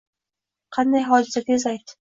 Qanday hodisa, tez ayt